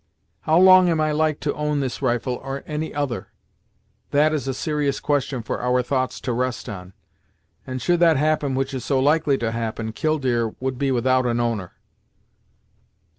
How long am I like to own this rifle or any other? That is a serious question for our thoughts to rest on, and should that happen which is so likely to happen, Killdeer would be without an owner."